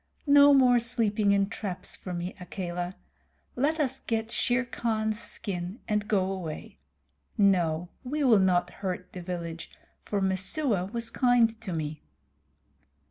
"No more sleeping in traps for me, Akela. Let us get Shere Khan's skin and go away. No, we will not hurt the village, for Messua was kind to me."